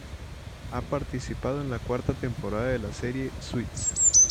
Ha participado en la cuarta temporada de la serie "Suits".